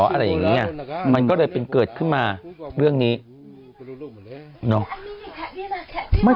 อะไรอย่างนี้ไงมันก็เลยเป็นเกิดขึ้นมาเรื่องนี้